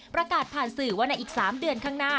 ประกาศผ่านสื่อว่าในอีก๓เดือนข้างหน้า